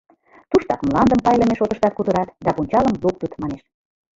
Туштак мландым пайлыме шотыштат кутырат да пунчалым луктыт, манеш.